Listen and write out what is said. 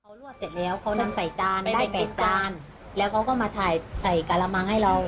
เขารวดเสร็จแล้วเขานำใส่จานได้แปดจานแล้วเขาก็มาถ่ายใส่กระมังให้เรา